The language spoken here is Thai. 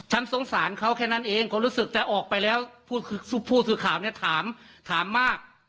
สงสารเขาแค่นั้นเองเขารู้สึกแต่ออกไปแล้วผู้สื่อข่าวเนี่ยถามมาก